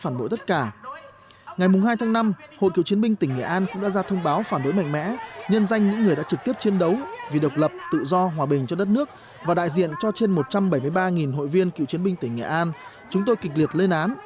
trong hai tháng năm hội cựu chiến binh tỉnh nghệ an cũng đã ra thông báo phản đối mạnh mẽ nhân danh những người đã trực tiếp chiến đấu vì độc lập tự do hòa bình cho đất nước và đại diện cho trên một trăm bảy mươi ba hội viên cựu chiến binh tỉnh nghệ an